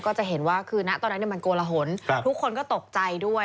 ก็จะเห็นว่าคือณตอนนั้นมันโกลหนทุกคนก็ตกใจด้วย